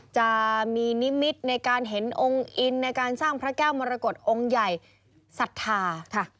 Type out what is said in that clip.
จะมีนิมิตในการเห็นองค์อินในการสร้างพระแก้วมรกฏองค์ใหญ่ศรัทธาค่ะ